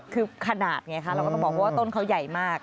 คือขนาดไงคะเราก็ต้องบอกว่าต้นเขาใหญ่มาก